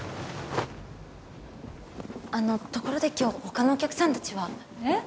あのところで今日他のお客さんたちは？えっ？